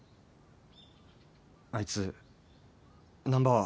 あいつ難破は。